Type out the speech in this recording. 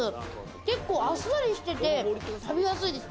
結構あっさりしてて食べやすいです。